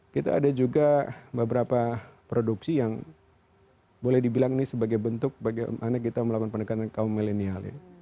kita ada juga beberapa produksi yang boleh dibilang ini sebagai bentuk bagaimana kita melakukan pendekatan kaum milenial ya